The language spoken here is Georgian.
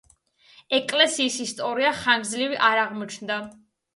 ეკლესიის ისტორია ხანგრძლივი არ აღმოჩნდა.